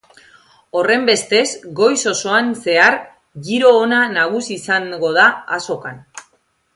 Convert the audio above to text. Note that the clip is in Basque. Horrenbestez, goiz osoan zehar giro ona nagusi izango da azokan.